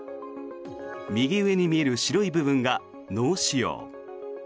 右上に見える白い部分が脳腫瘍。